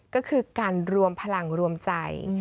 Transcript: ก็คือการรวมพลังรวมใจ